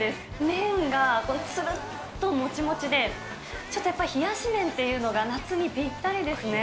麺がつるっともちもちで、ちょっとやっぱり冷やし麺というのが夏にぴったりですね。